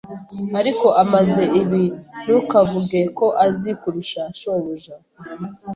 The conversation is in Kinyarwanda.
Ariko amaze ibi ntukavuge ko azi kurusha shebuja